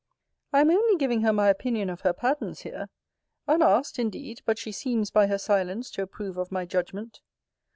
I am only giving her my opinion of her patterns, here. Unasked indeed; but she seems, by her silence, to approve of my judgment.